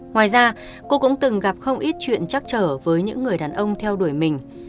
ngoài ra cô cũng từng gặp không ít chuyện chắc chở với những người đàn ông theo đuổi mình